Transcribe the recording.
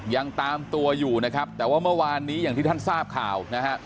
ยังตามตัวอยู่นะครับแต่ว่าเมื่อวานนี้อย่างที่ท่านทราบข่าวนะฮะ